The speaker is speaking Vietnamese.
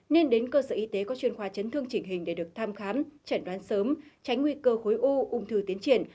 nên đến cơ sở y tế có chuyên khoa chấn thương chỉnh hình để được thăm khám chẩn đoán sớm tránh nguy cơ khối u ung thư tiến triển